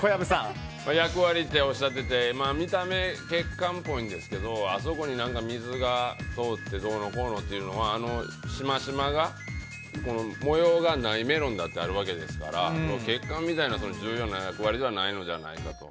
役割っておっしゃってて見た目、血管っぽいんですけどあそこに何か水が通ってどうのこうのっていうのはしましま模様がないメロンだってあるわけですから血管みたいな重要な役割ではないんじゃないかと。